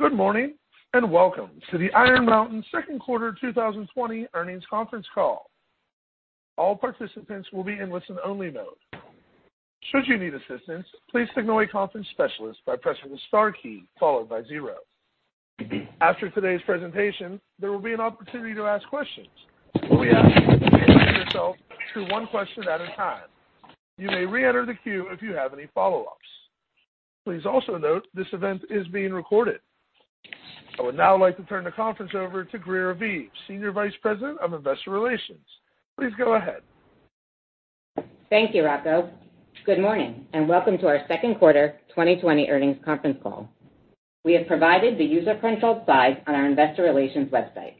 Good morning, welcome to the Iron Mountain second quarter 2020 earnings conference call. All participants will be in listen-only mode. Should you need assistance, please signal a conference specialist by pressing the star key followed by zero. After today's presentation, there will be an opportunity to ask questions. We ask that you limit yourself to one question at a time. You may re-enter the queue if you have any follow-ups. Please also note this event is being recorded. I would now like to turn the conference over to Greer Aviv, Senior Vice President of Investor Relations. Please go ahead. Thank you, Rocco. Good morning, and welcome to our second quarter 2020 earnings conference call. We have provided the user controls slide on our investor relations website.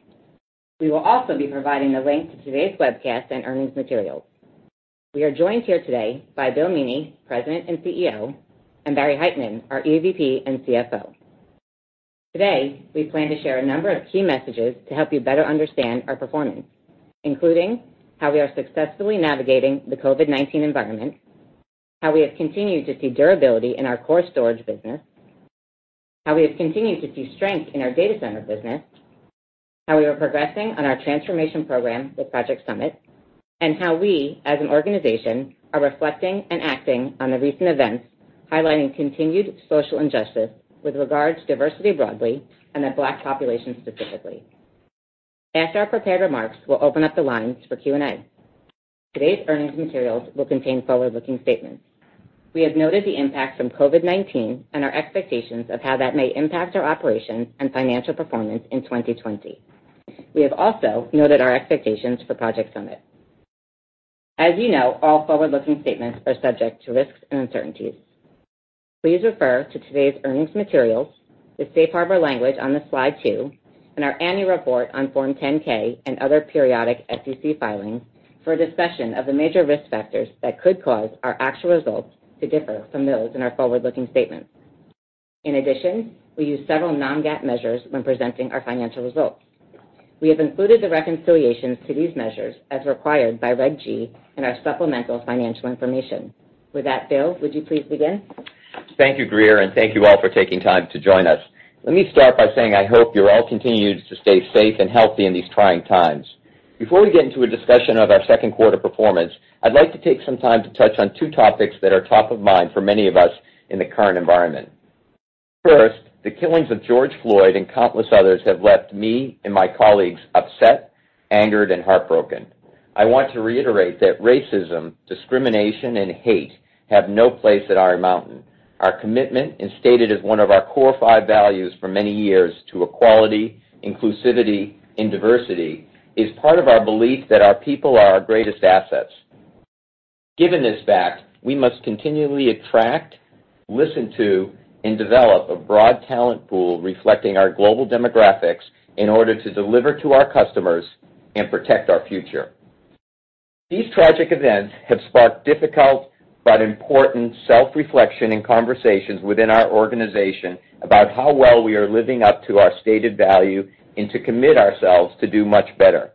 We will also be providing a link to today's webcast and earnings materials. We are joined here today by William Meaney, President and CEO, and Barry Hytinen, our EVP and CFO. Today, we plan to share a number of key messages to help you better understand our performance, including how we are successfully navigating the COVID-19 environment, how we have continued to see durability in our core storage business, how we have continued to see strength in our data center business, how we are progressing on our transformation program with Project Summit, and how we, as an organization, are reflecting and acting on the recent events, highlighting continued social injustice with regard to diversity broadly and the Black population specifically. After our prepared remarks, we'll open up the lines for Q&A. Today's earnings materials will contain forward-looking statements. We have noted the impact from COVID-19 and our expectations of how that may impact our operations and financial performance in 2020. We have also noted our expectations for Project Summit. As you know, all forward-looking statements are subject to risks and uncertainties. Please refer to today's earnings materials, the safe harbor language on slide two, and our annual report on Form 10-K and other periodic SEC filings for a discussion of the major risk factors that could cause our actual results to differ from those in our forward-looking statements. In addition, we use several non-GAAP measures when presenting our financial results. We have included the reconciliations to these measures as required by Regulation G in our supplemental financial information. With that, Bill, would you please begin? Thank you, Greer, thank you all for taking time to join us. Let me start by saying I hope you all continue to stay safe and healthy in these trying times. Before we get into a discussion of our second quarter performance, I'd like to take some time to touch on two topics that are top of mind for many of us in the current environment. First, the killings of George Floyd and countless others have left me and my colleagues upset, angered, and heartbroken. I want to reiterate that racism, discrimination, and hate have no place at Iron Mountain. Our commitment, and stated as one of our core five values for many years, to equality, inclusivity, and diversity is part of our belief that our people are our greatest assets. Given this fact, we must continually attract, listen to, and develop a broad talent pool reflecting our global demographics in order to deliver to our customers and protect our future. These tragic events have sparked difficult but important self-reflection and conversations within our organization about how well we are living up to our stated value and to commit ourselves to do much better.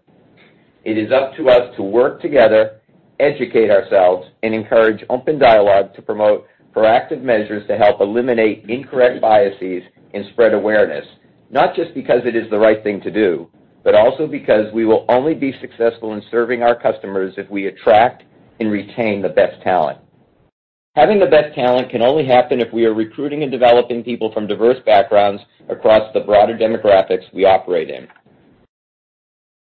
It is up to us to work together, educate ourselves, and encourage open dialogue to promote proactive measures to help eliminate incorrect biases and spread awareness, not just because it is the right thing to do, but also because we will only be successful in serving our customers if we attract and retain the best talent. Having the best talent can only happen if we are recruiting and developing people from diverse backgrounds across the broader demographics we operate in.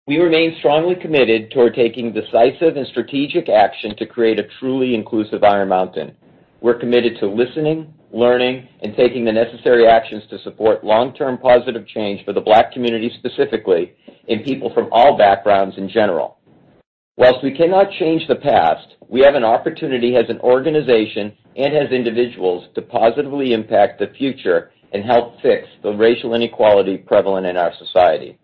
We remain strongly committed toward taking decisive and strategic action to create a truly inclusive Iron Mountain. We're committed to listening, learning, and taking the necessary actions to support long-term positive change for the Black community specifically, and people from all backgrounds in general. While we cannot change the past, we have an opportunity as an organization and as individuals to positively impact the future and help fix the racial inequality prevalent in our society.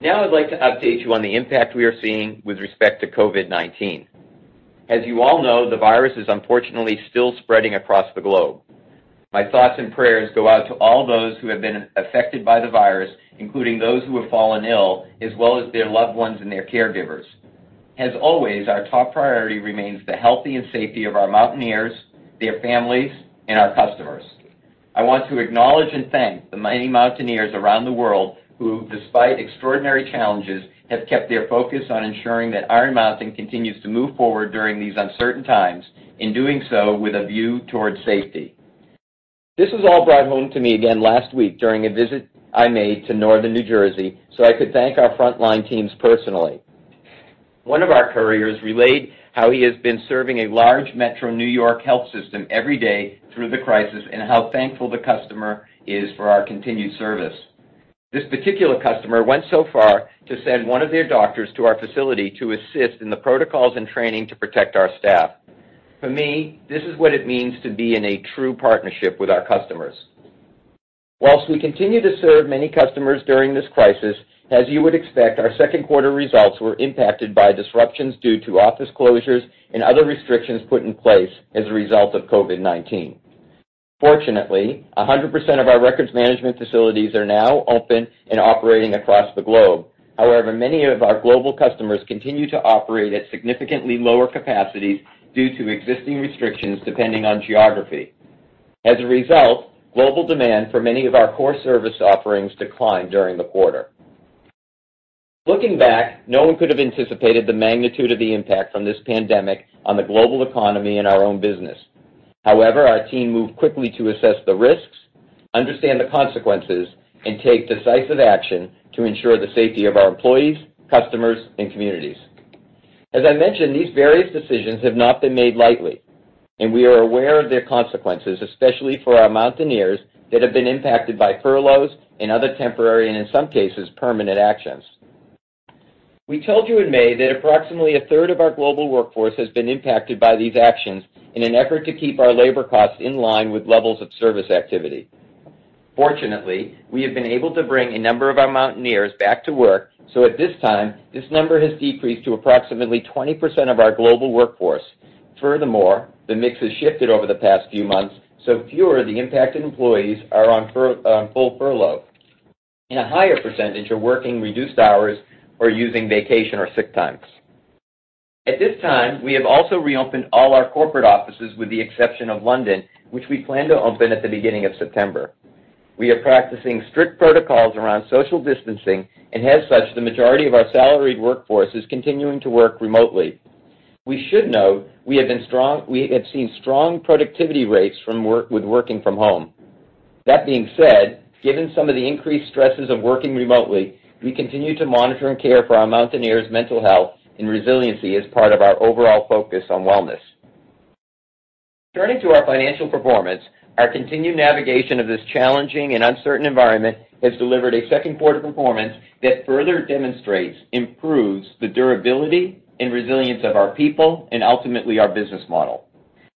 Now I'd like to update you on the impact we are seeing with respect to COVID-19. As you all know, the virus is unfortunately still spreading across the globe. My thoughts and prayers go out to all those who have been affected by the virus, including those who have fallen ill, as well as their loved ones and their caregivers. As always, our top priority remains the health and safety of our Mountaineers, their families, and our customers. I want to acknowledge and thank the many Mountaineers around the world who, despite extraordinary challenges, have kept their focus on ensuring that Iron Mountain continues to move forward during these uncertain times, in doing so with a view towards safety. This was all brought home to me again last week during a visit I made to Northern New Jersey so I could thank our frontline teams personally. One of our couriers relayed how he has been serving a large Metro New York health system every day through the crisis and how thankful the customer is for our continued service. This particular customer went so far to send one of their doctors to our facility to assist in the protocols and training to protect our staff. For me, this is what it means to be in a true partnership with our customers. Whilst we continue to serve many customers during this crisis, as you would expect, our second quarter results were impacted by disruptions due to office closures and other restrictions put in place as a result of COVID-19. Fortunately, 100% of our records management facilities are now open and operating across the globe. However, many of our global customers continue to operate at significantly lower capacities due to existing restrictions depending on geography. As a result, global demand for many of our core service offerings declined during the quarter. Looking back, no one could have anticipated the magnitude of the impact from this pandemic on the global economy and our own business. Our team moved quickly to assess the risks, understand the consequences, and take decisive action to ensure the safety of our employees, customers, and communities. As I mentioned, these various decisions have not been made lightly, and we are aware of their consequences, especially for our Mountaineers that have been impacted by furloughs and other temporary, and in some cases, permanent actions. We told you in May that approximately a third of our global workforce has been impacted by these actions in an effort to keep our labor costs in line with levels of service activity. Fortunately, we have been able to bring a number of our Mountaineers back to work, so at this time, this number has decreased to approximately 20% of our global workforce. Furthermore, the mix has shifted over the past few months, so fewer of the impacted employees are on full furlough, and a higher percentage are working reduced hours or using vacation or sick times. At this time, we have also reopened all our corporate offices with the exception of London, which we plan to open at the beginning of September. We are practicing strict protocols around social distancing, and as such, the majority of our salaried workforce is continuing to work remotely. We should note, we have seen strong productivity rates with working from home. That being said, given some of the increased stresses of working remotely, we continue to monitor and care for our Mountaineers' mental health and resiliency as part of our overall focus on wellness. Turning to our financial performance, our continued navigation of this challenging and uncertain environment has delivered a second quarter performance that further demonstrates improves the durability and resilience of our people and ultimately our business model.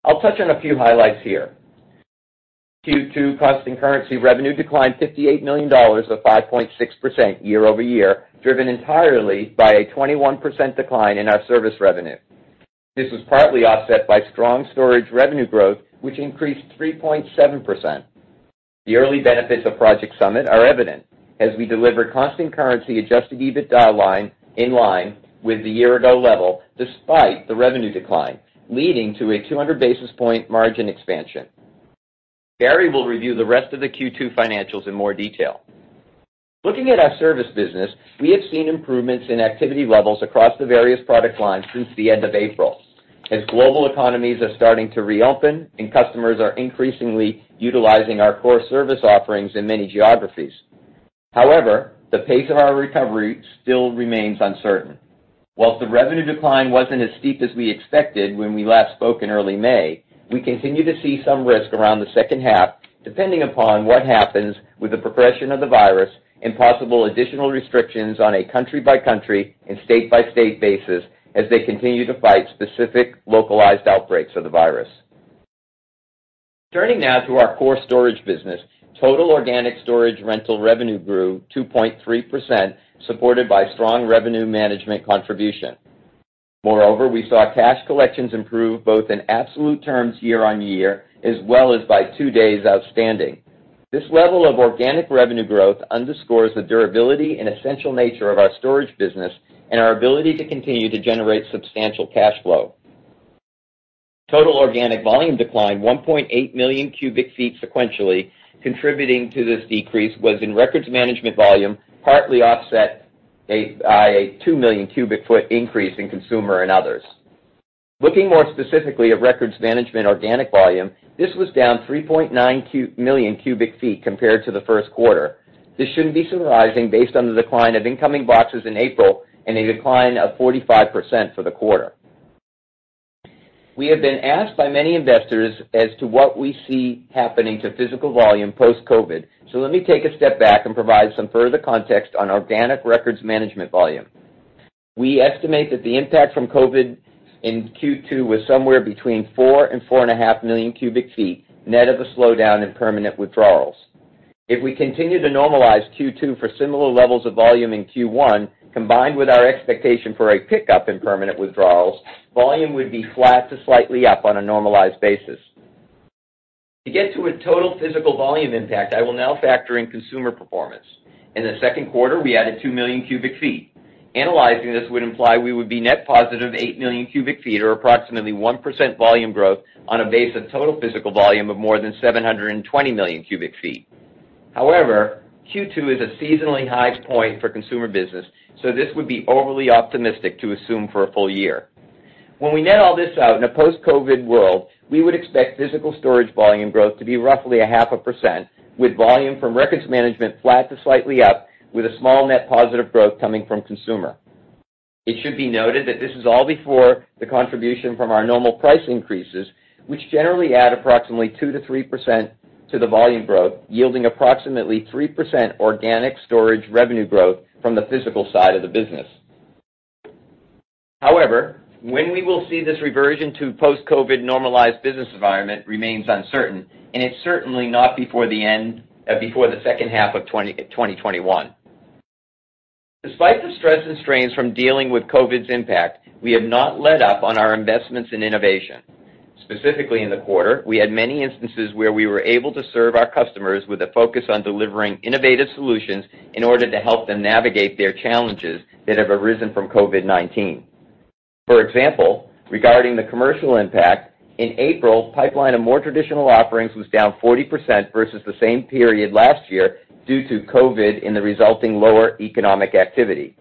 I'll touch on a few highlights here. Q2 constant currency revenue declined $58 million or 5.6% year-over-year, driven entirely by a 21% decline in our service revenue. This was partly offset by strong storage revenue growth, which increased 3.7%. The early benefits of Project Summit are evident as we deliver constant currency adjusted EBITDA in line with the year-ago level, despite the revenue decline, leading to a 200 basis point margin expansion. Barry will review the rest of the Q2 financials in more detail. The pace of our recovery still remains uncertain. The revenue decline wasn't as steep as we expected when we last spoke in early May, we continue to see some risk around the second half, depending upon what happens with the progression of the virus and possible additional restrictions on a country-by-country and state-by-state basis as they continue to fight specific localized outbreaks of the virus. Turning now to our core storage business, total organic storage rental revenue grew 2.3%, supported by strong revenue management contribution. We saw cash collections improve both in absolute terms year-on-year, as well as by two days outstanding. This level of organic revenue growth underscores the durability and essential nature of our storage business and our ability to continue to generate substantial cash flow. Total organic volume declined 1.8 million cu ft sequentially. Contributing to this decrease was in records management volume, partly offset by a 2 million cu ft increase in consumer and others. Looking more specifically at records management organic volume, this was down 3.9 million cu ft compared to the first quarter. This shouldn't be surprising based on the decline of incoming boxes in April and a decline of 45% for the quarter. We have been asked by many investors as to what we see happening to physical volume post-COVID. Let me take a step back and provide some further context on organic records management volume. We estimate that the impact from COVID in Q2 was somewhere between 4 and 4.5 million cu ft, net of a slowdown in permanent withdrawals. If we continue to normalize Q2 for similar levels of volume in Q1, combined with our expectation for a pickup in permanent withdrawals, volume would be flat to slightly up on a normalized basis. To get to a total physical volume impact, I will now factor in consumer performance. In the second quarter, we added 2 million cu ft. Annualizing this would imply we would be net +8 million cu ft or approximately 1% volume growth on a base of total physical volume of more than 720 million cu ft. Q2 is a seasonally high point for consumer business, so this would be overly optimistic to assume for a full year. When we net all this out in a post-COVID world, we would expect physical storage volume growth to be roughly a half a percent, with volume from records management flat to slightly up, with a small net positive growth coming from consumer. It should be noted that this is all before the contribution from our normal price increases, which generally add approximately 2%-3% to the volume growth, yielding approximately 3% organic storage revenue growth from the physical side of the business. However, when we will see this reversion to post-COVID normalized business environment remains uncertain, and it's certainly not before the second half of 2021. Despite the stress and strains from dealing with COVID's impact, we have not let up on our investments in innovation. Specifically in the quarter, we had many instances where we were able to serve our customers with a focus on delivering innovative solutions in order to help them navigate their challenges that have arisen from COVID-19. For example, regarding the commercial impact, in April, pipeline of more traditional offerings was down 40% versus the same period last year due to COVID and the resulting lower economic activity.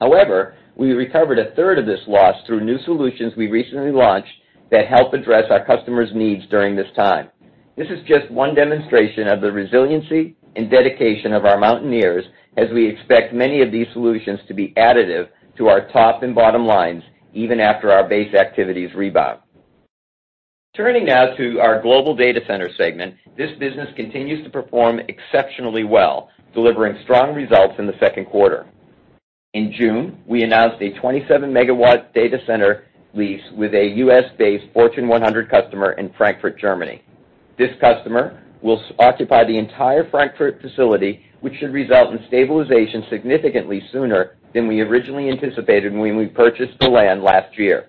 However, we recovered a third of this loss through new solutions we recently launched that help address our customers' needs during this time. This is just one demonstration of the resiliency and dedication of our Mountaineers, as we expect many of these solutions to be additive to our top and bottom lines, even after our base activities rebound. Turning now to our Global Data Center segment. This business continues to perform exceptionally well, delivering strong results in the second quarter. In June, we announced a 27 MW data center lease with a U.S.-based Fortune 100 customer in Frankfurt, Germany. This customer will occupy the entire Frankfurt facility, which should result in stabilization significantly sooner than we originally anticipated when we purchased the land last year.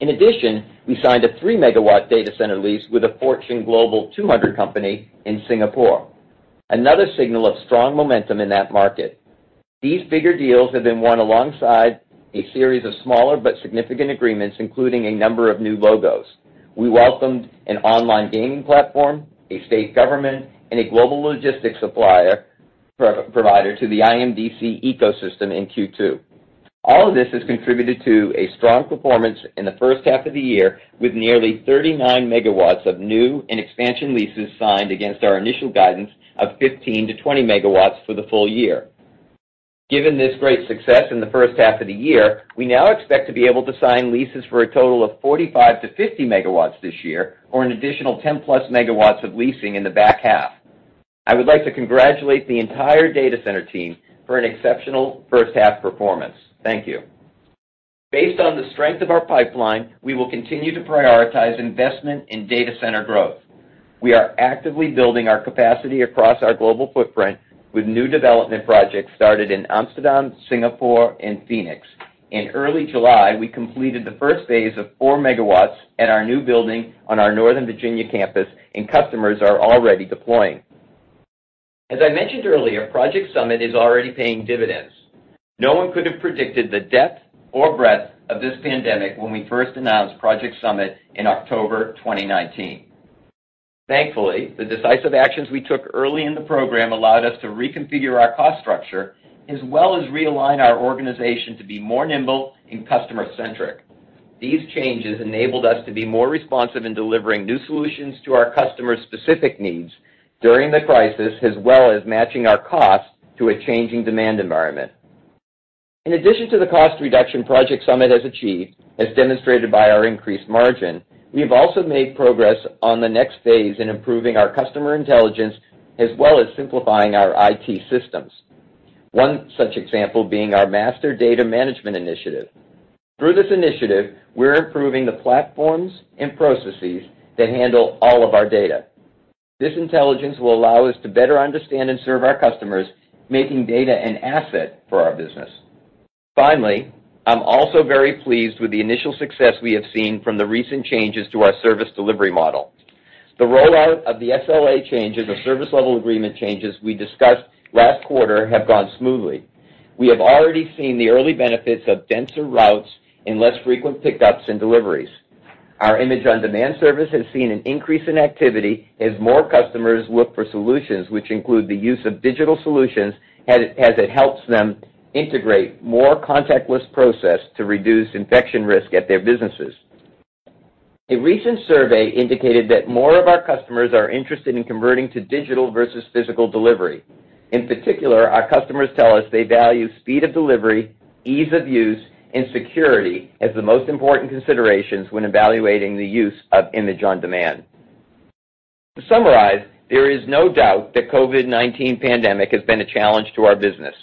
In addition, we signed a 3 MW data center lease with a Fortune Global 200 company in Singapore, another signal of strong momentum in that market. These bigger deals have been won alongside a series of smaller but significant agreements, including a number of new logos. We welcomed an online gaming platform, a state government, and a global logistics supplier provider to the IMDC ecosystem in Q2. All of this has contributed to a strong performance in the first half of the year, with nearly 39 MW of new and expansion leases signed against our initial guidance of 15-20 MW for the full year. Given this great success in the first half of the year, we now expect to be able to sign leases for a total of 45-50 MW this year, or an additional 10+ MW of leasing in the back half. I would like to congratulate the entire data center team for an exceptional first half performance. Thank you. Based on the strength of our pipeline, we will continue to prioritize investment in data center growth. We are actively building our capacity across our global footprint with new development projects started in Amsterdam, Singapore, and Phoenix. In early July, we completed the first phase of 4 MW at our new building on our Northern Virginia campus, and customers are already deploying. As I mentioned earlier, Project Summit is already paying dividends. No one could have predicted the depth or breadth of this pandemic when we first announced Project Summit in October 2019. Thankfully, the decisive actions we took early in the program allowed us to reconfigure our cost structure as well as realign our organization to be more nimble and customer-centric. These changes enabled us to be more responsive in delivering new solutions to our customers' specific needs during the crisis, as well as matching our costs to a changing demand environment. In addition to the cost reduction Project Summit has achieved, as demonstrated by our increased margin, we have also made progress on the next phase in improving our customer intelligence as well as simplifying our IT systems. One such example being our Master Data Management Initiative. Through this initiative, we're improving the platforms and processes that handle all of our data. This intelligence will allow us to better understand and serve our customers, making data an asset for our business. Finally, I'm also very pleased with the initial success we have seen from the recent changes to our service delivery model. The rollout of the SLA changes, the service level agreement changes we discussed last quarter, have gone smoothly. We have already seen the early benefits of denser routes and less frequent pickups and deliveries. Our Image on Demand service has seen an increase in activity as more customers look for solutions which include the use of digital solutions, as it helps them integrate more contactless process to reduce infection risk at their businesses. A recent survey indicated that more of our customers are interested in converting to digital versus physical delivery. In particular, our customers tell us they value speed of delivery, ease of use, and security as the most important considerations when evaluating the use of Image on Demand. To summarize, there is no doubt that COVID-19 pandemic has been a challenge to our business.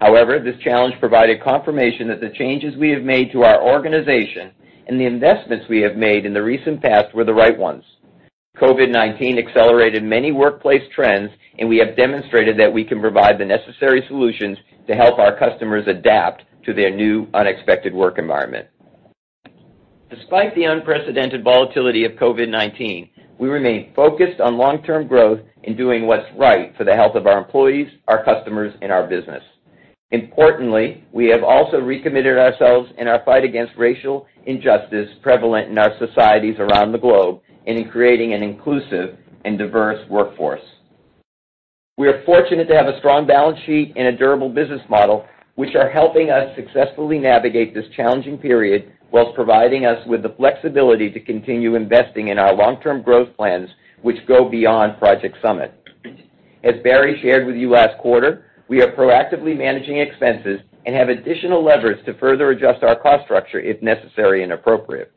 However, this challenge provided confirmation that the changes we have made to our organization and the investments we have made in the recent past were the right ones. COVID-19 accelerated many workplace trends, and we have demonstrated that we can provide the necessary solutions to help our customers adapt to their new unexpected work environment. Despite the unprecedented volatility of COVID-19, we remain focused on long-term growth and doing what's right for the health of our employees, our customers, and our business. Importantly, we have also recommitted ourselves in our fight against racial injustice prevalent in our societies around the globe and in creating an inclusive and diverse workforce. We are fortunate to have a strong balance sheet and a durable business model, which are helping us successfully navigate this challenging period whilst providing us with the flexibility to continue investing in our long-term growth plans, which go beyond Project Summit. As Barry shared with you last quarter, we are proactively managing expenses and have additional levers to further adjust our cost structure if necessary and appropriate.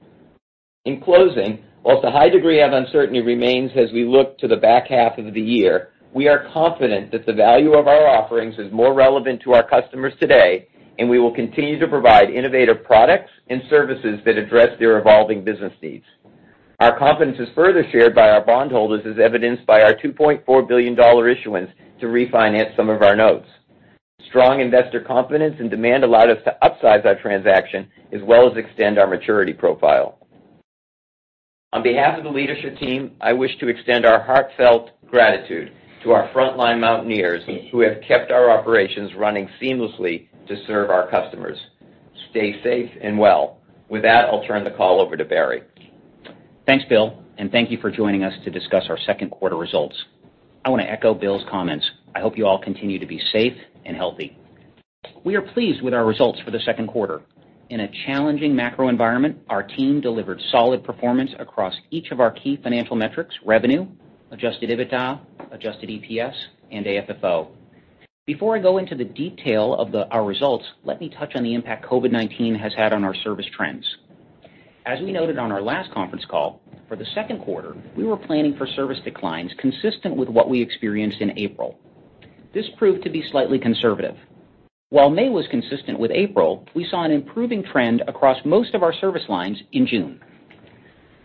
In closing, whilst a high degree of uncertainty remains as we look to the back half of the year, we are confident that the value of our offerings is more relevant to our customers today, and we will continue to provide innovative products and services that address their evolving business needs. Our confidence is further shared by our bondholders, as evidenced by our $2.4 billion issuance to refinance some of our notes. Strong investor confidence and demand allowed us to upsize our transaction as well as extend our maturity profile. On behalf of the leadership team, I wish to extend our heartfelt gratitude to our frontline Mountaineers who have kept our operations running seamlessly to serve our customers. Stay safe and well. With that, I'll turn the call over to Barry. Thanks, Bill, and thank you for joining us to discuss our second quarter results. I want to echo Bill's comments. I hope you all continue to be safe and healthy. We are pleased with our results for the second quarter. In a challenging macro environment, our team delivered solid performance across each of our key financial metrics, revenue, adjusted EBITDA, adjusted EPS, and AFFO. Before I go into the detail of our results, let me touch on the impact COVID-19 has had on our service trends. As we noted on our last conference call, for the second quarter, we were planning for service declines consistent with what we experienced in April. This proved to be slightly conservative. While May was consistent with April, we saw an improving trend across most of our service lines in June.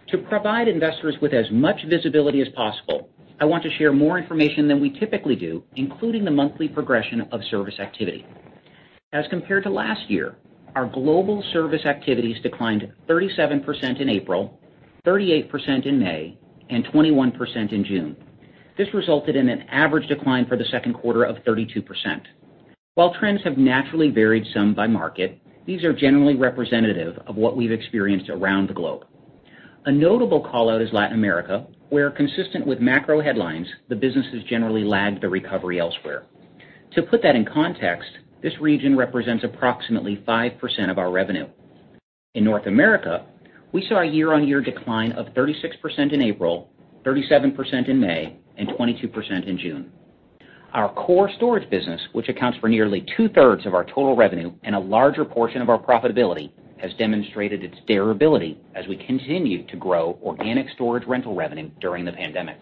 To provide investors with as much visibility as possible, I want to share more information than we typically do, including the monthly progression of service activity. As compared to last year, our global service activities declined 37% in April, 38% in May, and 21% in June. This resulted in an average decline for the second quarter of 32%. While trends have naturally varied some by market, these are generally representative of what we've experienced around the globe. A notable call-out is Latin America, where consistent with macro headlines, the businesses generally lagged the recovery elsewhere. To put that in context, this region represents approximately 5% of our revenue. In North America, we saw a year-on-year decline of 36% in April, 37% in May, and 22% in June. Our core storage business, which accounts for nearly two-thirds of our total revenue and a larger portion of our profitability, has demonstrated its durability as we continue to grow organic storage rental revenue during the pandemic.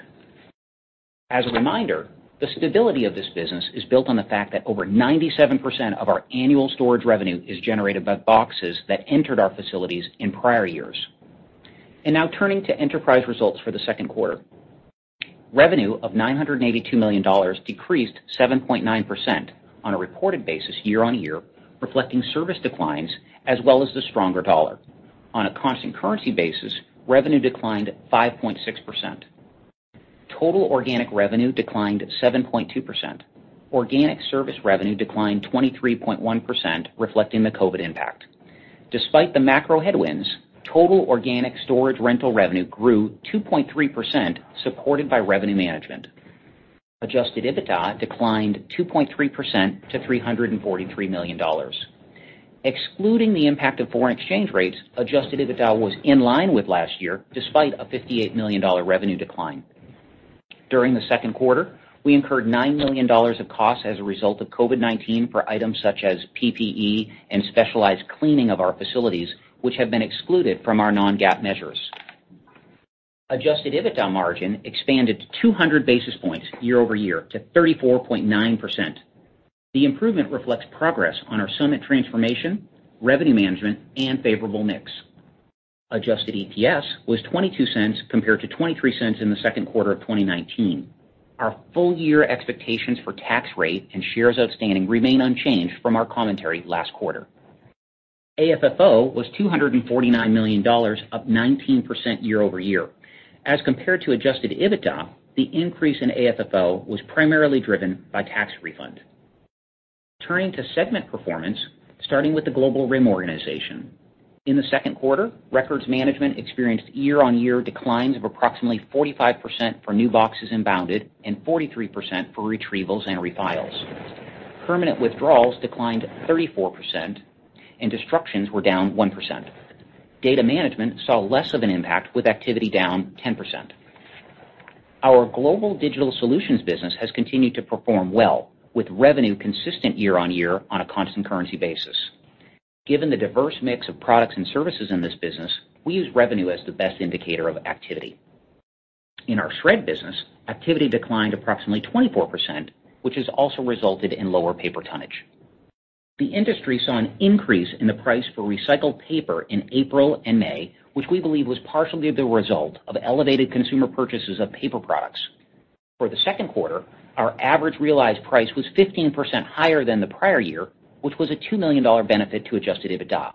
As a reminder, the stability of this business is built on the fact that over 97% of our annual storage revenue is generated by boxes that entered our facilities in prior years. Now turning to enterprise results for the second quarter. Revenue of $982 million decreased 7.9% on a reported basis year-on-year, reflecting service declines as well as the stronger dollar. On a constant currency basis, revenue declined 5.6%. Total organic revenue declined 7.2%. Organic service revenue declined 23.1%, reflecting the COVID-19 impact. Despite the macro headwinds, total organic storage rental revenue grew 2.3%, supported by revenue management. Adjusted EBITDA declined 2.3% to $343 million. Excluding the impact of foreign exchange rates, adjusted EBITDA was in line with last year, despite a $58 million revenue decline. During the second quarter, we incurred $9 million of costs as a result of COVID-19 for items such as PPE and specialized cleaning of our facilities, which have been excluded from our non-GAAP measures. Adjusted EBITDA margin expanded 200 basis points year-over-year to 34.9%. The improvement reflects progress on our Summit transformation, revenue management, and favorable mix. Adjusted EPS was $0.22 compared to $0.23 in the second quarter of 2019. Our full year expectations for tax rate and shares outstanding remain unchanged from our commentary last quarter. AFFO was $249 million, up 19% year-over-year. As compared to adjusted EBITDA, the increase in AFFO was primarily driven by tax refund. Turning to segment performance, starting with the Global RIM organization. In the second quarter, records management experienced year-on-year declines of approximately 45% for new boxes inbounded and 43% for retrievals and refiles. Permanent withdrawals declined 34% and destructions were down 1%. Data management saw less of an impact with activity down 10%. Our global digital solutions business has continued to perform well, with revenue consistent year-on-year on a constant currency basis. Given the diverse mix of products and services in this business, we use revenue as the best indicator of activity. In our shred business, activity declined approximately 24%, which has also resulted in lower paper tonnage. The industry saw an increase in the price for recycled paper in April and May, which we believe was partially the result of elevated consumer purchases of paper products. For the second quarter, our average realized price was 15% higher than the prior year, which was a $2 million benefit to adjusted EBITDA.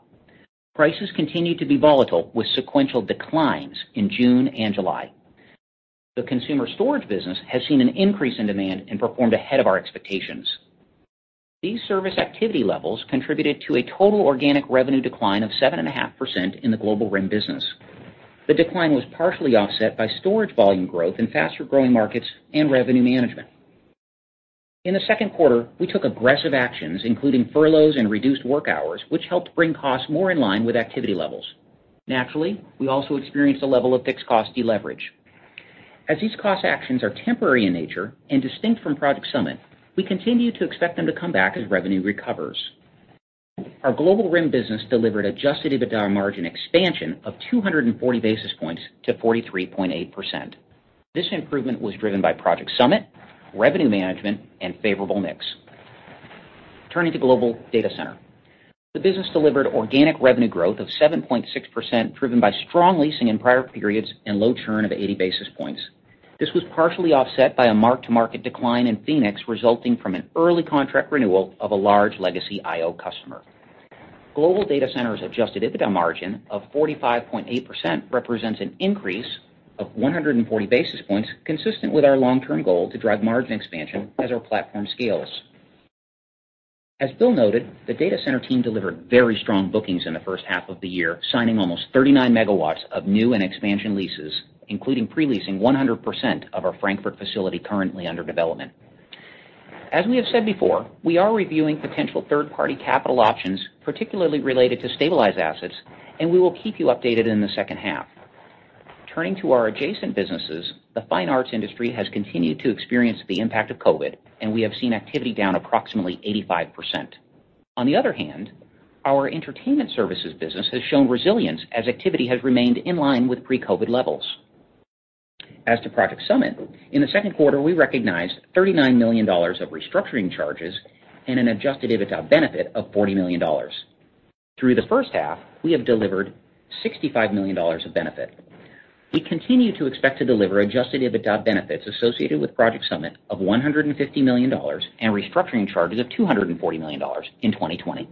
Prices continued to be volatile with sequential declines in June and July. The consumer storage business has seen an increase in demand and performed ahead of our expectations. These service activity levels contributed to a total organic revenue decline of 7.5% in the Global RIM business. The decline was partially offset by storage volume growth in faster-growing markets and revenue management. In the second quarter, we took aggressive actions, including furloughs and reduced work hours, which helped bring costs more in line with activity levels. Naturally, we also experienced a level of fixed cost deleverage. As these cost actions are temporary in nature and distinct from Project Summit, we continue to expect them to come back as revenue recovers. Our Global RIM business delivered adjusted EBITDA margin expansion of 240 basis points to 43.8%. This improvement was driven by Project Summit, revenue management, and favorable mix. Turning to Global Data Center. The business delivered organic revenue growth of 7.6%, driven by strong leasing in prior periods and low churn of 80 basis points. This was partially offset by a mark-to-market decline in Phoenix resulting from an early contract renewal of a large legacy IO customer. Global Data Centers adjusted EBITDA margin of 45.8% represents an increase of 140 basis points, consistent with our long-term goal to drive margin expansion as our platform scales. As Bill noted, the data center team delivered very strong bookings in the first half of the year, signing almost 39 MW of new and expansion leases, including pre-leasing 100% of our Frankfurt facility currently under development. As we have said before, we are reviewing potential third-party capital options, particularly related to stabilized assets, and we will keep you updated in the second half. Turning to our adjacent businesses, the fine arts industry has continued to experience the impact of COVID, and we have seen activity down approximately 85%. On the other hand, our entertainment services business has shown resilience as activity has remained in line with pre-COVID levels. As to Project Summit, in the second quarter, we recognized $39 million of restructuring charges and an adjusted EBITDA benefit of $40 million. Through the first half, we have delivered $65 million of benefit. We continue to expect to deliver adjusted EBITDA benefits associated with Project Summit of $150 million and restructuring charges of $240 million in 2020.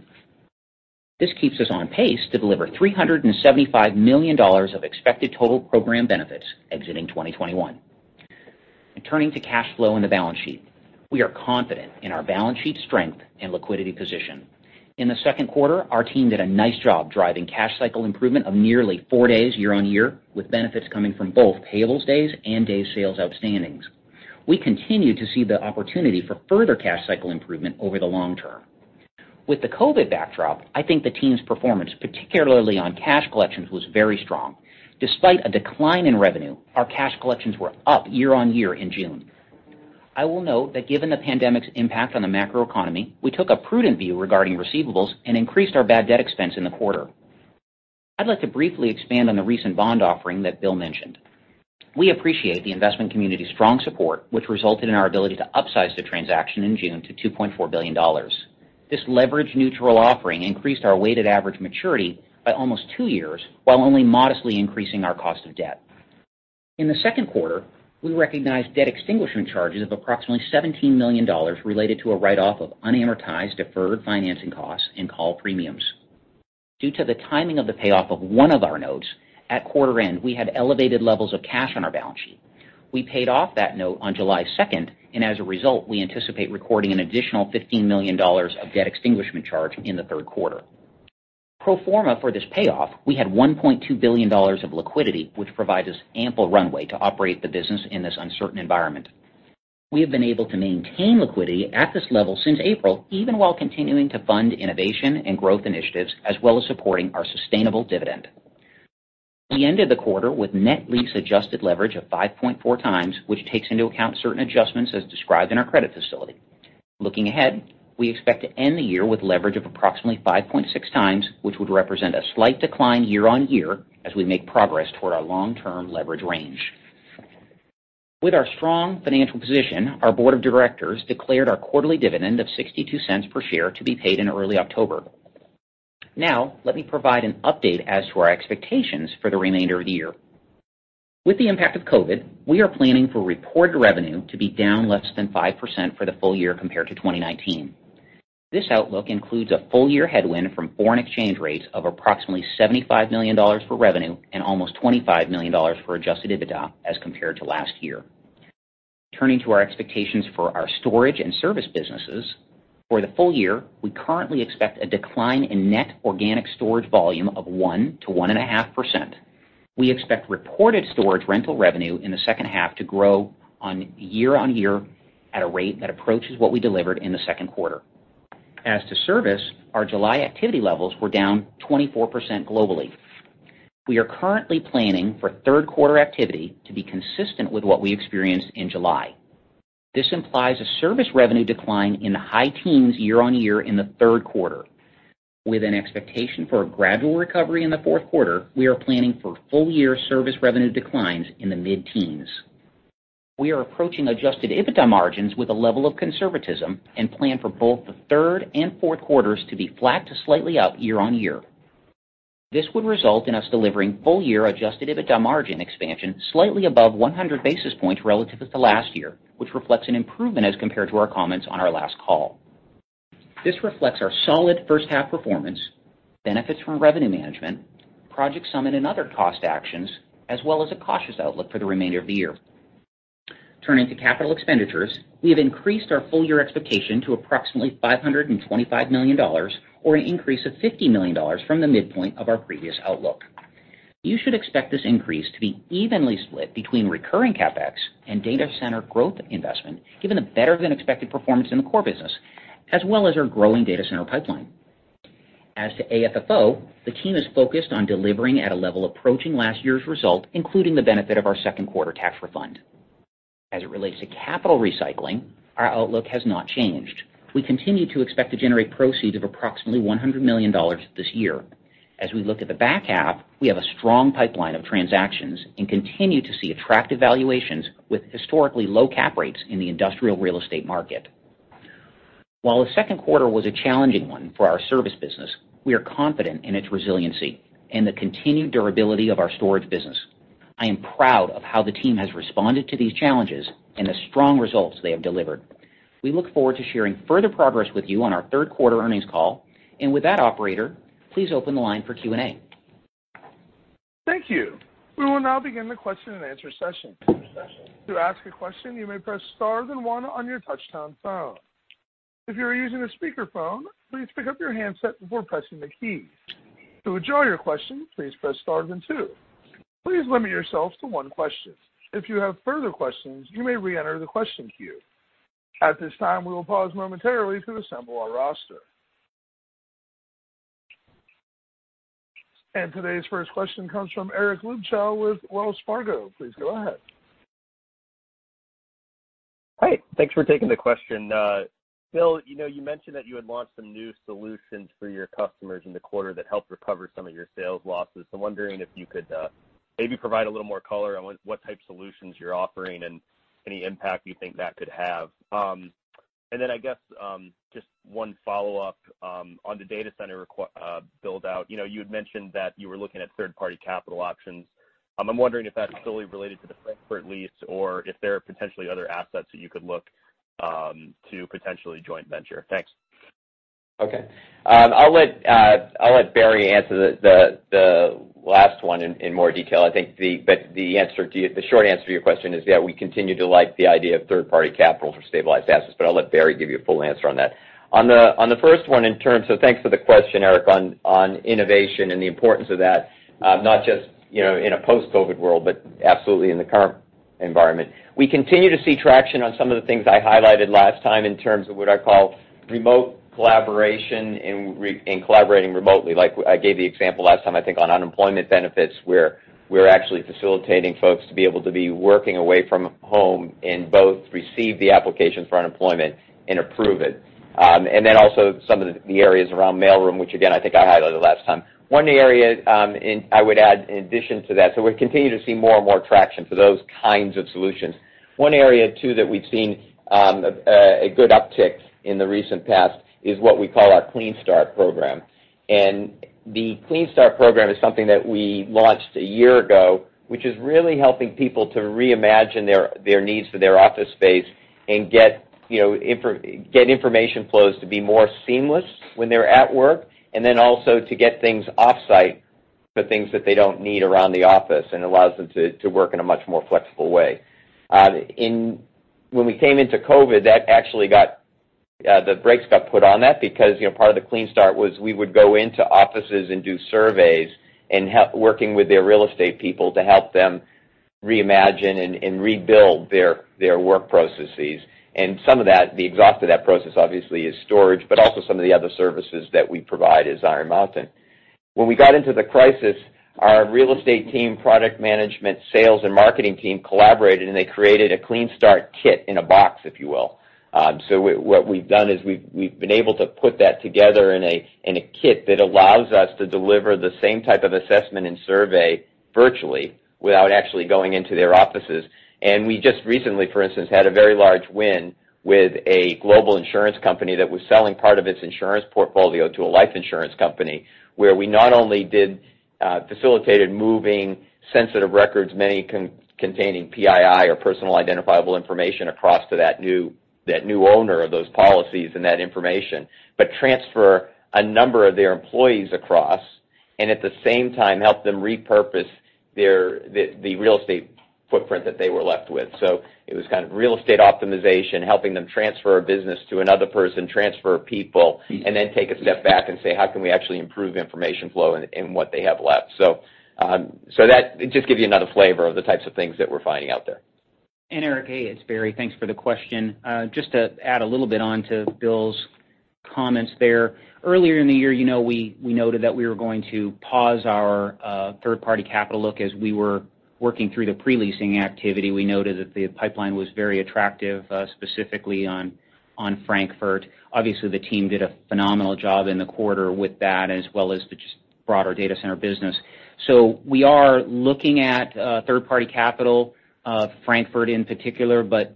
This keeps us on pace to deliver $375 million of expected total program benefits exiting 2021. Turning to cash flow and the balance sheet. We are confident in our balance sheet strength and liquidity position. In the second quarter, our team did a nice job driving cash cycle improvement of nearly four days year-on-year, with benefits coming from both payables days and days sales outstandings. We continue to see the opportunity for further cash cycle improvement over the long term. With the COVID backdrop, I think the team's performance, particularly on cash collections, was very strong. Despite a decline in revenue, our cash collections were up year-on-year in June. I will note that given the pandemic's impact on the macroeconomy, we took a prudent view regarding receivables and increased our bad debt expense in the quarter. I'd like to briefly expand on the recent bond offering that Bill mentioned. We appreciate the investment community's strong support, which resulted in our ability to upsize the transaction in June to $2.4 billion. This leverage-neutral offering increased our weighted average maturity by almost two years while only modestly increasing our cost of debt. In the second quarter, we recognized debt extinguishment charges of approximately $17 million related to a write-off of unamortized deferred financing costs and call premiums. Due to the timing of the payoff of one of our notes, at quarter end, we had elevated levels of cash on our balance sheet. We paid off that note on July 2nd, and as a result, we anticipate recording an additional $15 million of debt extinguishment charge in the third quarter. Pro forma for this payoff, we had $1.2 billion of liquidity, which provides us ample runway to operate the business in this uncertain environment. We have been able to maintain liquidity at this level since April, even while continuing to fund innovation and growth initiatives, as well as supporting our sustainable dividend. We ended the quarter with net lease adjusted leverage of 5.4x, which takes into account certain adjustments as described in our credit facility. Looking ahead, we expect to end the year with leverage of approximately 5.6x, which would represent a slight decline year-on-year as we make progress toward our long-term leverage range. With our strong financial position, our board of directors declared our quarterly dividend of $0.62 per share to be paid in early October. Now, let me provide an update as to our expectations for the remainder of the year. With the impact of COVID, we are planning for reported revenue to be down less than 5% for the full year compared to 2019. This outlook includes a full-year headwind from foreign exchange rates of approximately $75 million for revenue and almost $25 million for adjusted EBITDA as compared to last year. Turning to our expectations for our storage and service businesses. For the full year, we currently expect a decline in net organic storage volume of 1%-1.5%. We expect reported storage rental revenue in the second half to grow year-on-year at a rate that approaches what we delivered in the second quarter. As to service, our July activity levels were down 24% globally. We are currently planning for third quarter activity to be consistent with what we experienced in July. This implies a service revenue decline in the high teens year-on-year in the third quarter. With an expectation for a gradual recovery in the fourth quarter, we are planning for full-year service revenue declines in the mid-teens. We are approaching adjusted EBITDA margins with a level of conservatism and plan for both the third and fourth quarters to be flat to slightly up year-on-year. This would result in us delivering full-year adjusted EBITDA margin expansion slightly above 100 basis points relative to last year, which reflects an improvement as compared to our comments on our last call. This reflects our solid first half performance, benefits from revenue management, Project Summit and other cost actions, as well as a cautious outlook for the remainder of the year. Turning to capital expenditures, we have increased our full year expectation to approximately $525 million, or an increase of $50 million from the midpoint of our previous outlook. You should expect this increase to be evenly split between recurring CapEx and data center growth investment, given the better-than-expected performance in the core business, as well as our growing data center pipeline. As to AFFO, the team is focused on delivering at a level approaching last year's result, including the benefit of our second quarter tax refund. As it relates to capital recycling, our outlook has not changed. We continue to expect to generate proceeds of approximately $100 million this year. As we look at the back half, we have a strong pipeline of transactions and continue to see attractive valuations with historically low cap rates in the industrial real estate market. While the second quarter was a challenging one for our service business, we are confident in its resiliency and the continued durability of our storage business. I am proud of how the team has responded to these challenges and the strong results they have delivered. We look forward to sharing further progress with you on our third quarter earnings call. With that, operator, please open the line for Q&A. Thank you. Today's first question comes from Eric Luebchow with Wells Fargo. Please go ahead. Hi. Thanks for taking the question. Bill, you mentioned that you had launched some new solutions for your customers in the quarter that helped recover some of your sales losses. I'm wondering if you could maybe provide a little more color on what type solutions you're offering and any impact you think that could have. I guess, just one follow-up, on the data center build-out. You had mentioned that you were looking at third-party capital options. I'm wondering if that's solely related to the Frankfurt lease or if there are potentially other assets that you could look to potentially joint venture. Thanks. Okay. I'll let Barry answer the last one in more detail, I think. The short answer to your question is, yeah, we continue to like the idea of third-party capital for stabilized assets, but I'll let Barry give you a full answer on that. On the first one in terms of-- thanks for the question, Eric, on innovation and the importance of that, not just in a post-COVID-19 world, but absolutely in the current environment. We continue to see traction on some of the things I highlighted last time in terms of what I call remote collaboration and collaborating remotely. Like I gave the example last time, I think, on unemployment benefits, where we're actually facilitating folks to be able to be working away from home and both receive the application for unemployment and approve it. Also some of the areas around mail room, which again, I think I highlighted last time. One area, I would add in addition to that, so we continue to see more and more traction for those kinds of solutions. One area, too, that we've seen a good uptick in the recent past is what we call our Clean Start program. The Clean Start program is something that we launched a year ago, which is really helping people to reimagine their needs for their office space and get information flows to be more seamless when they're at work, and then also to get things off-site for things that they don't need around the office, and allows them to work in a much more flexible way. When we came into COVID, the brakes got put on that because part of the Clean Start was we would go into offices and do surveys and working with their real estate people to help them reimagine and rebuild their work processes. Some of that, the exhaust of that process obviously is storage, but also some of the other services that we provide as Iron Mountain. When we got into the crisis, our real estate team, product management, sales, and marketing team collaborated, and they created a Clean Start kit in a box, if you will. What we've done is we've been able to put that together in a kit that allows us to deliver the same type of assessment and survey virtually without actually going into their offices. We just recently, for instance, had a very large win with a global insurance company that was selling part of its insurance portfolio to a life insurance company, where we not only did facilitated moving sensitive records, many containing PII or personal identifiable information across to that new owner of those policies and that information, but transfer a number of their employees across, and at the same time, help them repurpose the real estate footprint that they were left with. It was kind of real estate optimization, helping them transfer a business to another person, transfer people, and then take a step back and say, "How can we actually improve information flow in what they have left?" That just gives you another flavor of the types of things that we're finding out there. Eric, hey, it's Barry. Thanks for the question. Just to add a little bit on to Bill's comments there. Earlier in the year, we noted that we were going to pause our third-party capital look as we were working through the pre-leasing activity. We noted that the pipeline was very attractive, specifically on Frankfurt. Obviously, the team did a phenomenal job in the quarter with that, as well as the just broader data center business. We are looking at third-party capital, Frankfurt in particular, but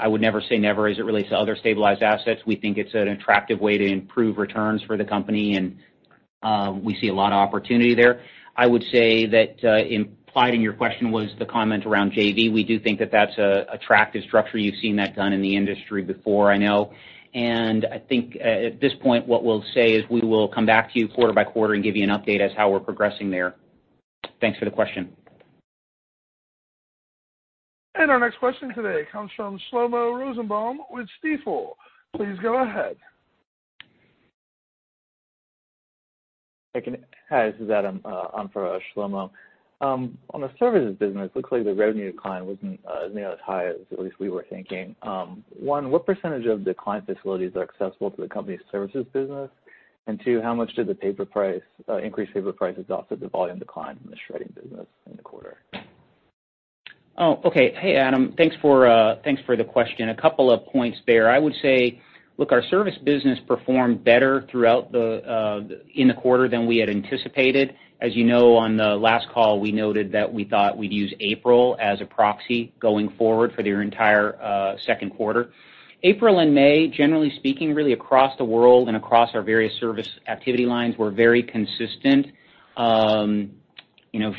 I would never say never as it relates to other stabilized assets. We think it's an attractive way to improve returns for the company, and we see a lot of opportunity there. I would say that implied in your question was the comment around JV. We do think that that's an attractive structure. You've seen that done in the industry before, I know. I think at this point, what we'll say is we will come back to you quarter by quarter and give you an update as how we're progressing there. Thanks for the question. Our next question today comes from Shlomo Rosenbaum with Stifel. Please go ahead. Hi. This is Adam on for Shlomo. On the services business, looks like the revenue decline wasn't nearly as high as at least we were thinking. One, what percentage of the client facilities are accessible to the company's services business? Two, how much did the increased paper prices offset the volume decline from the shredding business in the quarter? Oh, okay. Hey, Adam. Thanks for the question. A couple of points there. I would say, look, our service business performed better in the quarter than we had anticipated. As you know, on the last call, we noted that we thought we'd use April as a proxy going forward for the entire second quarter. April and May, generally speaking, really across the world and across our various service activity lines, were very consistent.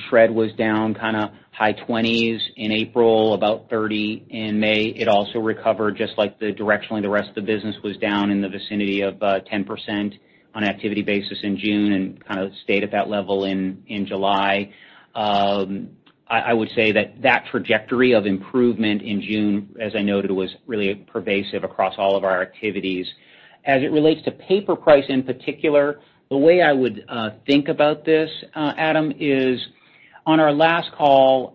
Shred was down kind of high 20s in April, about 30 in May. It also recovered just like the directionally the rest of the business was down in the vicinity of 10% on activity basis in June and kind of stayed at that level in July. I would say that trajectory of improvement in June, as I noted, was really pervasive across all of our activities. As it relates to paper price in particular, the way I would think about this, Adam, is on our last call,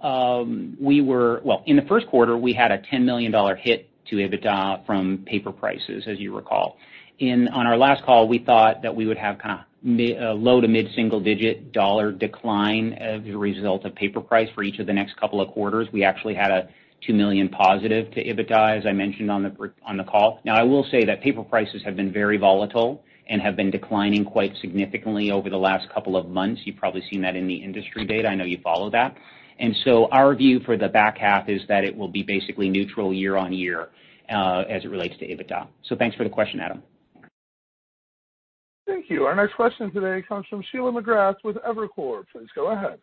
well, in the first quarter, we had a $10 million hit to EBITDA from paper prices, as you recall. On our last call, we thought that we would have kind of low to mid single digit dollar decline as a result of paper price for each of the next couple of quarters. We actually had a +$2 million to EBITDA, as I mentioned on the call. Now, I will say that paper prices have been very volatile and have been declining quite significantly over the last couple of months. You've probably seen that in the industry data. I know you follow that. Our view for the back half is that it will be basically neutral year-on-year as it relates to EBITDA. Thanks for the question, Adam. Thank you. Our next question today comes from Sheila McGrath with Evercore. Please go ahead.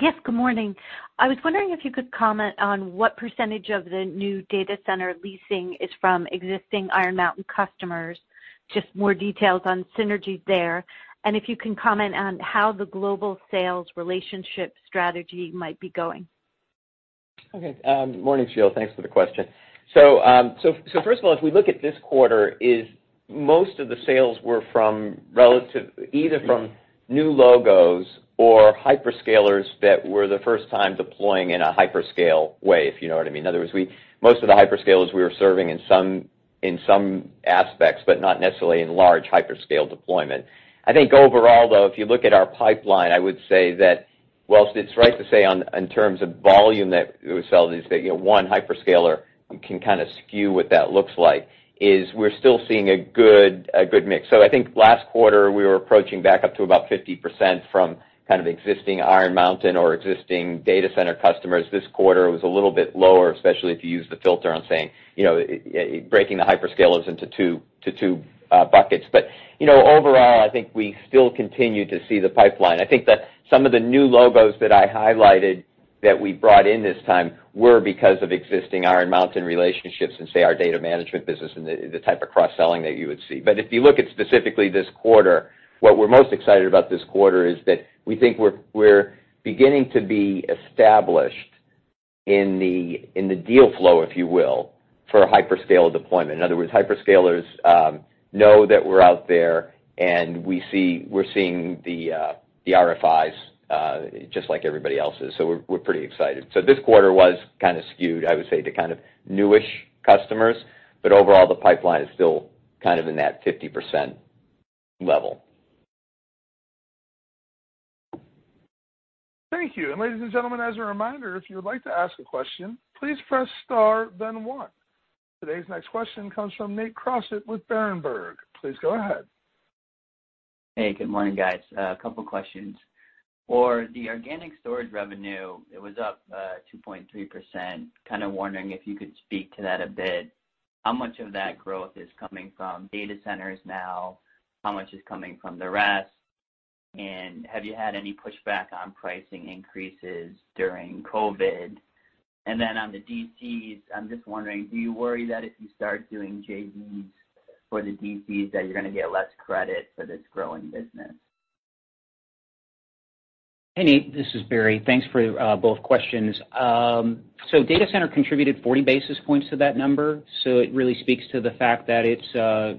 Yes, good morning. I was wondering if you could comment on what percentage of the new data center leasing is from existing Iron Mountain customers. Just more details on synergies there, and if you can comment on how the global sales relationship strategy might be going. Morning, Sheila. Thanks for the question. First of all, as we look at this quarter, is most of the sales were either from new logos or hyperscalers that were the first time deploying in a hyperscale way, if you know what I mean. In other words, most of the hyperscalers we were serving in some aspects, but not necessarily in large hyperscale deployment. I think overall, though, if you look at our pipeline, I would say that whilst it's right to say on in terms of volume that we sell these things, one hyperscaler can kind of skew what that looks like, is we're still seeing a good mix. I think last quarter we were approaching back up to about 50% from kind of existing Iron Mountain or existing data center customers. This quarter it was a little bit lower, especially if you use the filter on saying, breaking the hyperscalers into two buckets. Overall, I think we still continue to see the pipeline. I think that some of the new logos that I highlighted that we brought in this time were because of existing Iron Mountain relationships and say, our data management business and the type of cross-selling that you would see. If you look at specifically this quarter, what we're most excited about this quarter is that we think we're beginning to be established in the deal flow, if you will, for hyperscaler deployment. In other words, hyperscalers know that we're out there, and we're seeing the RFIs, just like everybody else is. We're pretty excited. This quarter was kind of skewed, I would say, to kind of newish customers, but overall, the pipeline is still kind of in that 50% level. Thank you. ladies and gentlemen, as a reminder, if you would like to ask a question, please press star then one. Today's next question comes from Nate Crossett with Berenberg. Please go ahead. Hey, good morning, guys. A couple questions. For the organic storage revenue, it was up 2.3%. Kind of wondering if you could speak to that a bit. How much of that growth is coming from data centers now? How much is coming from the rest? Have you had any pushback on pricing increases during COVID? On the DCs, I'm just wondering, do you worry that if you start doing JVs for the DCs, that you're going to get less credit for this growing business? Nate, this is Barry. Thanks for both questions. Data Center contributed 40 basis points to that number. It really speaks to the fact that it's a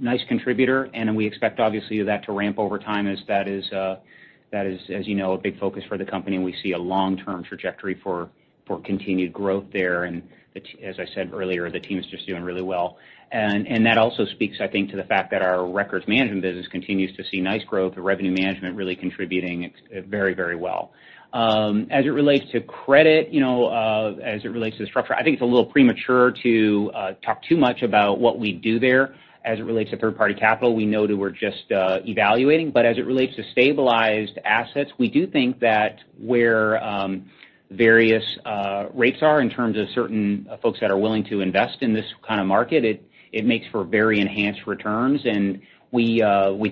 nice contributor, and we expect obviously that to ramp over time as that is, as you know, a big focus for the company, and we see a long-term trajectory for continued growth there. As I said earlier, the team is just doing really well. That also speaks, I think, to the fact that our Records Management business continues to see nice growth and revenue management really contributing very well. As it relates to credit, as it relates to the structure, I think it's a little premature to talk too much about what we do there as it relates to third-party capital. We know that we're just evaluating. As it relates to stabilized assets, we do think that where various rates are in terms of certain folks that are willing to invest in this kind of market, it makes for very enhanced returns, and we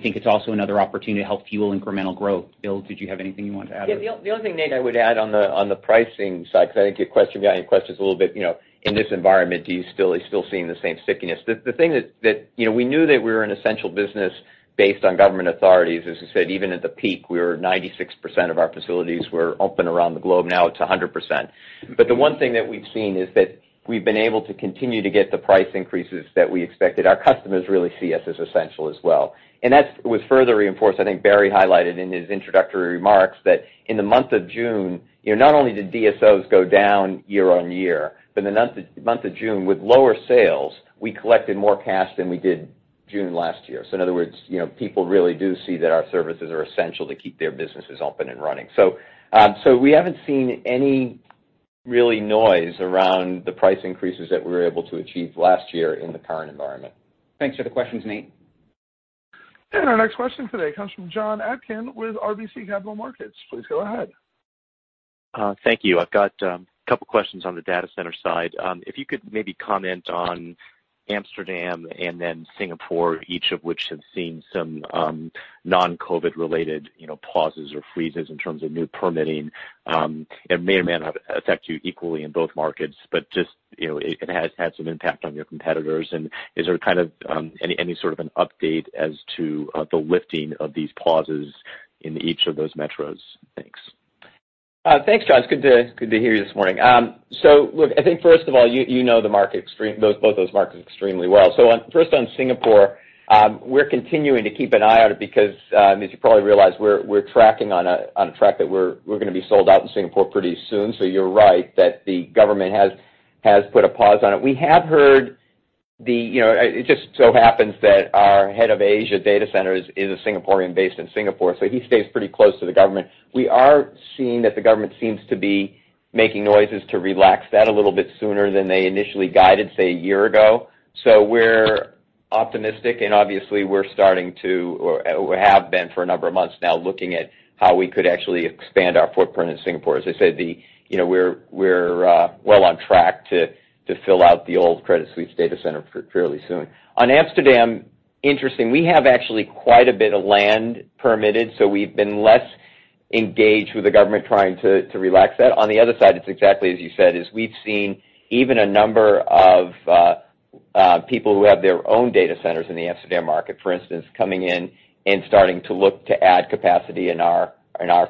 think it's also another opportunity to help fuel incremental growth. Bill, did you have anything you wanted to add? The only thing, Nate, I would add on the pricing side, because I think your question behind your question is a little bit, in this environment, are you still seeing the same stickiness? The thing that we knew that we were an essential business based on government authorities. As you said, even at the peak, we were 96% of our facilities were open around the globe. Now it's 100%. The one thing that we've seen is that we've been able to continue to get the price increases that we expected. Our customers really see us as essential as well. That was further reinforced, I think Barry highlighted in his introductory remarks that in the month of June, not only did DSOs go down year-on-year, but the month of June with lower sales, we collected more cash than we did June last year. In other words, people really do see that our services are essential to keep their businesses open and running. We haven't seen any really noise around the price increases that we were able to achieve last year in the current environment. Thanks for the questions, Nate. Our next question today comes from Jonathan Atkin with RBC Capital Markets. Please go ahead. Thank you. I've got a couple questions on the data center side. If you could maybe comment on Amsterdam and then Singapore, each of which have seen some non-COVID-19 related pauses or freezes in terms of new permitting. It may or may not affect you equally in both markets, but just, it has had some impact on your competitors. Is there any sort of an update as to the lifting of these pauses in each of those metros? Thanks. Thanks, Jonathan. It's good to hear you this morning. Look, I think first of all, you know both those markets extremely well. First on Singapore, we're continuing to keep an eye on it because, as you probably realize, we're on a track that we're going to be sold out in Singapore pretty soon. You're right that the government has put a pause on it. It just so happens that our head of Asia data centers is a Singaporean based in Singapore, he stays pretty close to the government. We are seeing that the government seems to be making noises to relax that a little bit sooner than they initially guided, say, a year ago. We're optimistic, and obviously we have been for a number of months now, looking at how we could actually expand our footprint in Singapore. As I said, we're well on track to fill out the old Credit Suisse data center fairly soon. On Amsterdam, interesting. We have actually quite a bit of land permitted, so we've been less engaged with the government trying to relax that. On the other side, it's exactly as you said, is we've seen even a number of people who have their own data centers in the Amsterdam market, for instance, coming in and starting to look to add capacity in our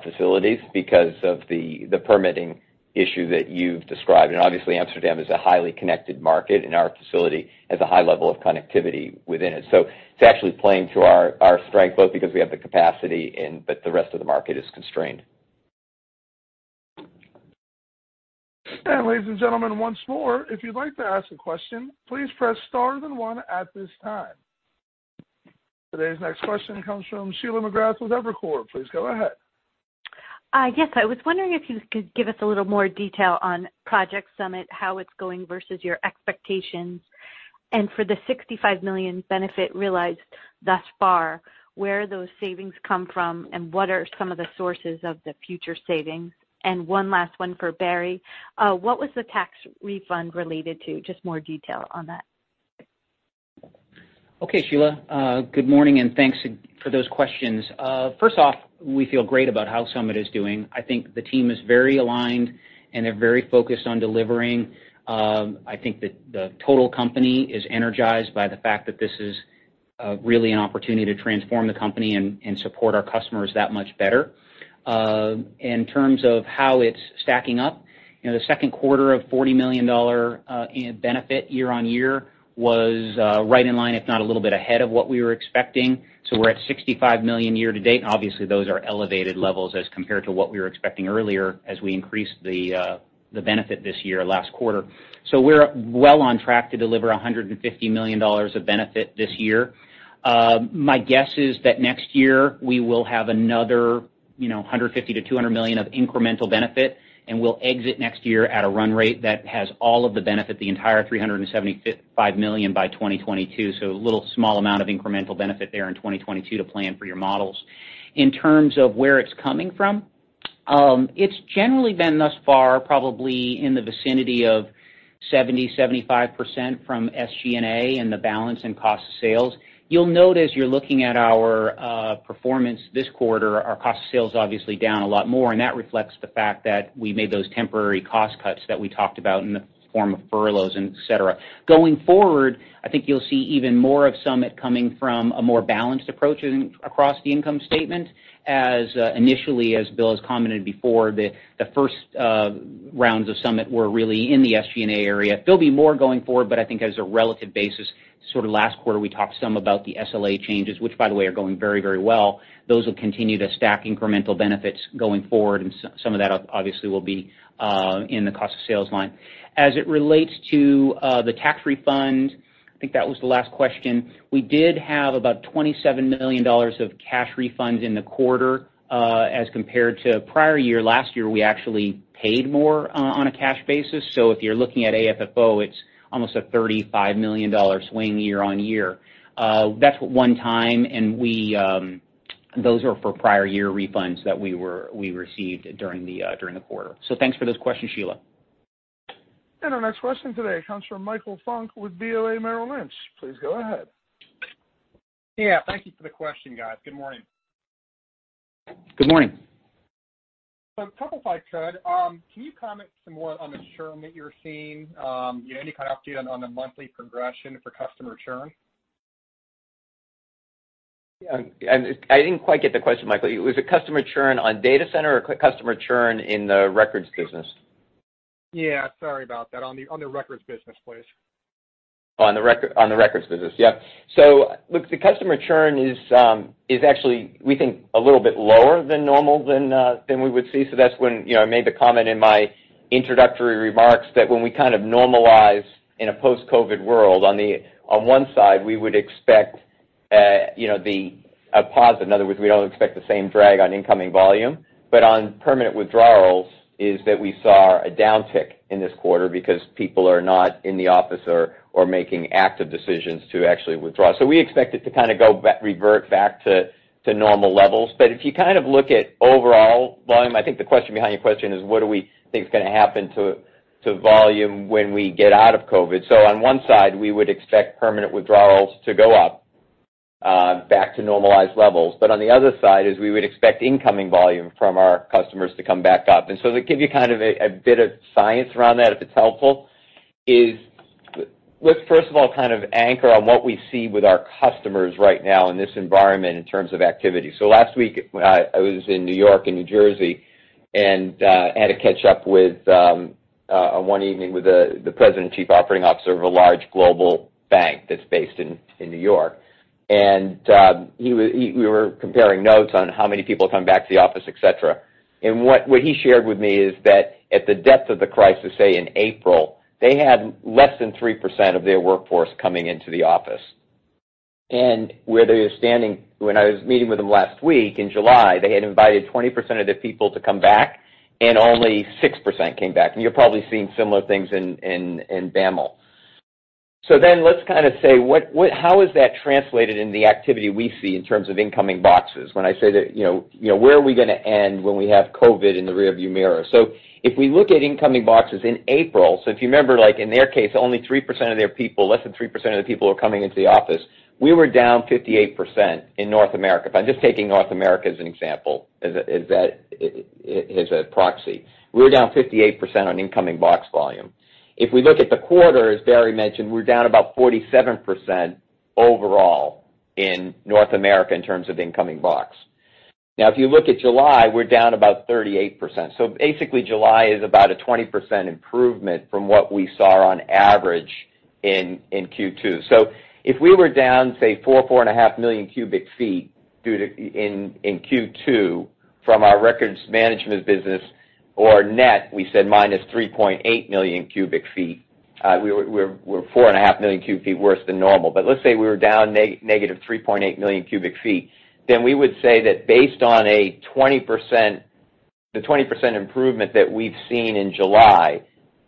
facilities because of the permitting issue that you've described. Obviously, Amsterdam is a highly connected market, and our facility has a high level of connectivity within it. It's actually playing to our strength, both because we have the capacity, but the rest of the market is constrained. Ladies and gentlemen, once more, if you'd like to ask a question, please press star then one at this time. Today's next question comes from Sheila McGrath with Evercore. Please go ahead. Yes, I was wondering if you could give us a little more detail on Project Summit, how it's going versus your expectations. For the $65 million benefit realized thus far, where those savings come from, and what are some of the sources of the future savings? One last one for Barry. What was the tax refund related to? Just more detail on that. Okay, Sheila. Good morning, and thanks for those questions. First off, we feel great about how Summit is doing. I think the team is very aligned and they're very focused on delivering. I think that the total company is energized by the fact that this is really an opportunity to transform the company and support our customers that much better. In terms of how it's stacking up, the second quarter of $40 million in benefit year-on-year was right in line, if not a little bit ahead of what we were expecting. We're at $65 million year to date, and obviously those are elevated levels as compared to what we were expecting earlier as we increased the benefit this year last quarter. We're well on track to deliver $150 million of benefit this year. My guess is that next year we will have another $150 million-$200 million of incremental benefit, and we'll exit next year at a run rate that has all of the benefit, the entire $375 million by 2022. A little small amount of incremental benefit there in 2022 to plan for your models. In terms of where it's coming from, it's generally been thus far, probably in the vicinity of 70%-75% from SG&A and the balance in cost of sales. You'll note as you're looking at our performance this quarter, our cost of sales obviously down a lot more, and that reflects the fact that we made those temporary cost cuts that we talked about in the form of furloughs, et cetera. Going forward, I think you'll see even more of Summit coming from a more balanced approach across the income statement, as initially as Bill has commented before, the first rounds of Summit were really in the SG&A area. There'll be more going forward, but I think as a relative basis, sort of last quarter, we talked some about the SLA changes, which by the way are going very well. Those will continue to stack incremental benefits going forward, and some of that obviously will be in the cost of sales line. It relates to the tax refund, I think that was the last question. We did have about $27 million of cash refunds in the quarter, as compared to prior year. Last year, we actually paid more on a cash basis. If you're looking at AFFO, it's almost a $35 million swing year-on-year. That's one time, and those were for prior year refunds that we received during the quarter. Thanks for those questions, Sheila. Our next question today comes from Michael Funk with BofA Merrill Lynch. Please go ahead. Yeah, thank you for the question, guys. Good morning. Good morning. A couple if I could. Can you comment some more on the churn that you're seeing? Any kind of update on the monthly progression for customer churn? Yeah. I didn't quite get the question, Michael. Was it customer churn on Global Data Center or customer churn in the records business? Yeah, sorry about that. On the records business, please. On the records business. Yeah. Look, the customer churn is actually, we think, a little bit lower than normal than we would see. That's when I made the comment in my introductory remarks that when we kind of normalize in a post-COVID world, on one side, we would expect a pause. In other words, we don't expect the same drag on incoming volume. On permanent withdrawals is that we saw a downtick in this quarter because people are not in the office or making active decisions to actually withdraw. We expect it to kind of revert back to normal levels. If you kind of look at overall volume, I think the question behind your question is what do we think is going to happen to. To volume when we get out of COVID. On one side, we would expect permanent withdrawals to go up back to normalized levels. On the other side is we would expect incoming volume from our customers to come back up. To give you a bit of science around that, if it's helpful, is let's first of all anchor on what we see with our customers right now in this environment in terms of activity. Last week, I was in New York and New Jersey, and I had a catch-up one evening with the President and Chief Operating Officer of a large global bank that's based in New York. We were comparing notes on how many people come back to the office, et cetera. What he shared with me is that at the depth of the crisis, say, in April, they had less than 3% of their workforce coming into the office. Where they were standing when I was meeting with them last week in July, they had invited 20% of their people to come back, and only 6% came back. You're probably seeing similar things in BAML. Let's say, how is that translated into the activity we see in terms of incoming boxes? When I say that, where are we going to end when we have COVID in the rear view mirror? If we look at incoming boxes in April, so if you remember, in their case, only 3% of their people, less than 3% of the people were coming into the office. We were down 58% in North America. If I'm just taking North America as an example, as a proxy. We were down 58% on incoming box volume. If we look at the quarter, as Barry mentioned, we're down about 47% overall in North America in terms of incoming box. If you look at July, we're down about 38%. Basically, July is about a 20% improvement from what we saw on average in Q2. If we were down, say, 4 million-4.5 million cu ft in Q2 from our records management business, or net, we said -3.8 million cu ft. We're 4.5 million cu ft worse than normal. Let's say we were down -3.8 million cu ft. We would say that based on the 20% improvement that we've seen in July,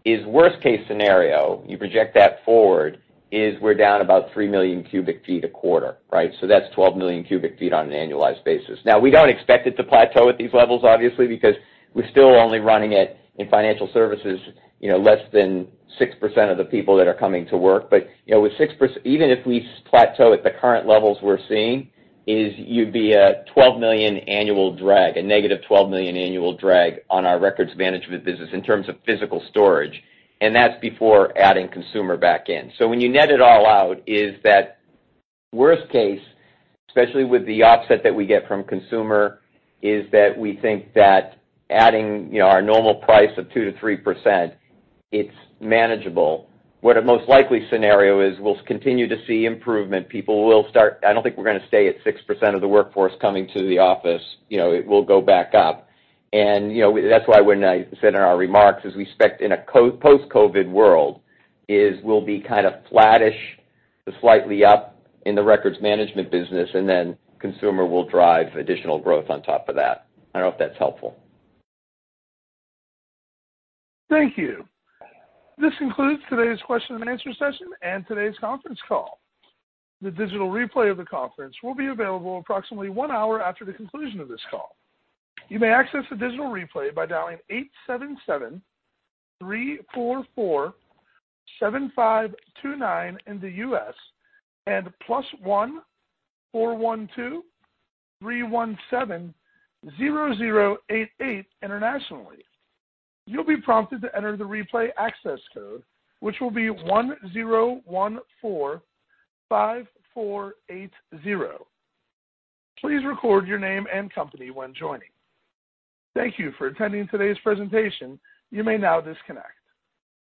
is worst case scenario, you project that forward, is we're down about 3 million cu ft a quarter, right? That's 12 million cu ft on an annualized basis. Now, we don't expect it to plateau at these levels, obviously, because we're still only running it in financial services less than 6% of the people that are coming to work. Even if we plateau at the current levels we're seeing, is you'd be a $12 million annual drag, a negative $12 million annual drag on our records management business in terms of physical storage, and that's before adding consumer back in. When you net it all out, is that worst case, especially with the offset that we get from consumer, is that we think that adding our normal price of 2%-3%, it's manageable. What a most likely scenario is we'll continue to see improvement. I don't think we're going to stay at 6% of the workforce coming to the office. It will go back up. That's why when I said in our remarks, is we expect in a post-COVID world is we'll be flattish to slightly up in the records management business, then consumer will drive additional growth on top of that. I don't know if that's helpful. Thank you. This concludes today's question and answer session and today's conference call. The digital replay of the conference will be available approximately one hour after the conclusion of this call. You may access the digital replay by dialing 877-344-7529 in the U.S. and +1-412-317-0088 internationally. You'll be prompted to enter the replay access code, which will be 10145480. Please record your name and company when joining. Thank you for attending today's presentation. You may now disconnect.